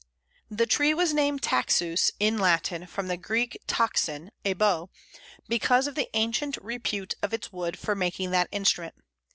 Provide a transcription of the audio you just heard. The tree was named taxus in Latin, from the Greek toxon (a bow), because of the ancient repute of its wood for making that instrument.